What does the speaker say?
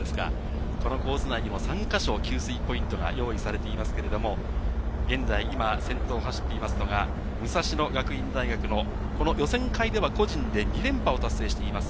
このコース内にも３か所、給水ポイントが用意されていますけれども、現在、今先頭を走っていますのが武蔵野学院大学の予選会では個人で２連覇を達成しています。